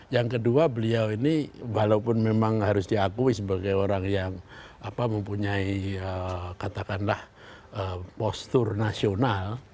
yang kedua beliau ini walaupun memang harus diakui sebagai orang yang mempunyai katakanlah postur nasional